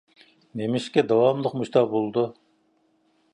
نېمىشقا داۋاملىق مۇشۇنداق بولىدۇ؟